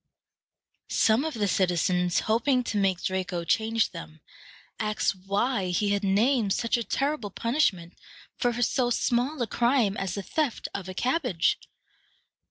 Some of the citizens, hoping to make Draco change them, asked why he had named such a terrible punishment for so small a crime as the theft of a cabbage.